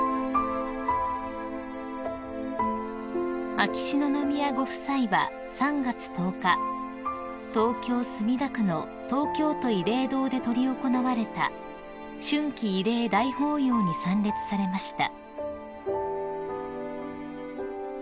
［秋篠宮ご夫妻は３月１０日東京墨田区の東京都慰霊堂で執り行われた春季慰霊大法要に参列されました］